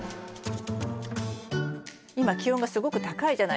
今気温がすごく高いじゃないですか。